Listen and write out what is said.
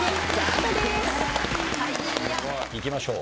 いきましょう。